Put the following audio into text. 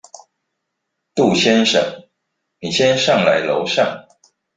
杜先生，你先上來樓上